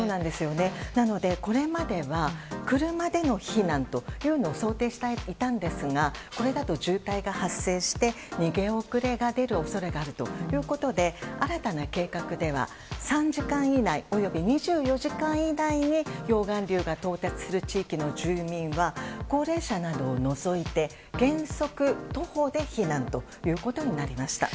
なので、これまでは車での避難というのを想定していたんですがこれだと渋滞が発生して逃げ遅れが出る恐れがあるということで新たな計画では３時間以内及び２４時間以内に溶岩流が到達する地域の住民は高齢者などを除いて原則徒歩で避難ということになりました。